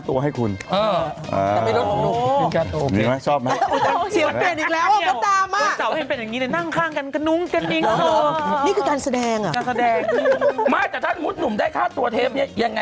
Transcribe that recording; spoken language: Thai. ถ้าวันนี้หนุ่มได้ค่าตัวนะ